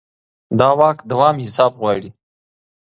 د واک دوام حساب غواړي